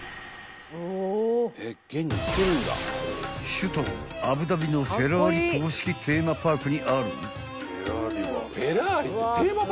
［首都アブダビのフェラーリ公式テーマパークにある］